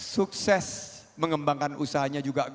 sukses mengembangkan usahanya juga